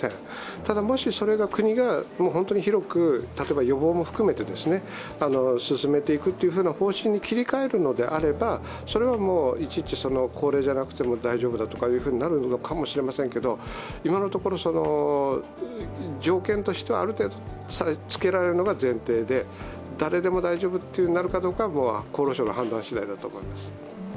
ただ、もし国が本当に広く、例えば予防も含めて進めていくというふうな方針に切り替えるのであれば、それはもういちいち高齢じゃなくても大丈夫だとなるのかもしれませんけど今のところ、条件としてはある程度つけられるのが前提で、誰でも大丈夫となるかどうかは厚生労働省の判断しだいだと思います。